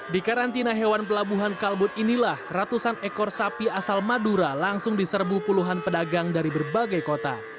di karantina hewan pelabuhan kalbut inilah ratusan ekor sapi asal madura langsung diserbu puluhan pedagang dari berbagai kota